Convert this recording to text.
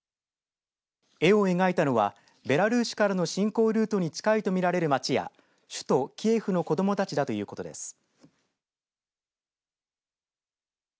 絵を描いたのはベラルーシからの侵攻ルートに近いとみられる町や首都キエフの子どもたちだということです。